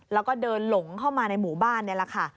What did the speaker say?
แล้วก็เดินหลงเข้ามาในหมู่บ้านนี่แหละค่ะ